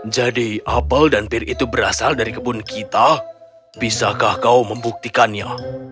jadi apel dan pear itu berasal dari kebun kita bisakah kau membuktikannya